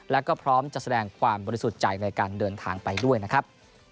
แล้วก็พร้อมจะแสดงความบริสุทธิ์ใจในการเดินทางไปด้วยนะครับ